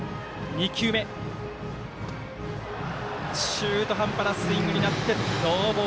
中途半端なスイングになりました。